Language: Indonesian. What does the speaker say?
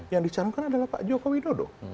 yang disarankan adalah pak joko widodo